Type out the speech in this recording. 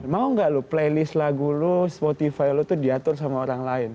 mau gak lu playlist lagu lu smotify lo itu diatur sama orang lain